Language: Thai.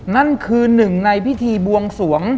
นั่นคือหนึ่งในพิธีบวงสวง